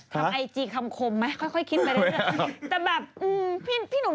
พี่หนุ่มพี่หนุ่ม